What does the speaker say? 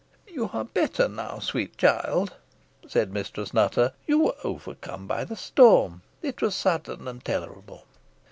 "You are better now, sweet child," said Mistress Nutter. "You were overcome by the storm. It was sudden and terrible."